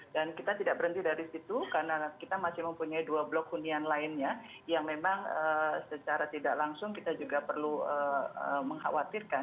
dan kita tidak berhenti dari situ karena kita masih mempunyai dua blok kunian lainnya yang memang secara tidak langsung kita juga perlu mengkhawatirkan